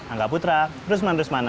angga putra rusman rusmana